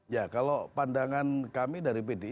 ya kalau pandangan kami dari pdip